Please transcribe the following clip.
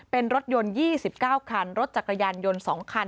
เป็นรถยนต์๒๙คันรถจักรยานยนต์๒คัน